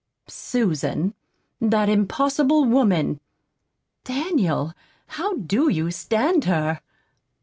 "Susan! That impossible woman! Daniel, how DO you stand her?"